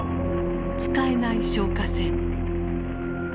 使えない消火栓。